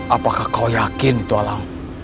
apakah kau yakin itu alam